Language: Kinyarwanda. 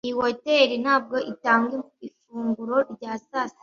Iyi hoteri ntabwo itanga ifunguro rya sasita.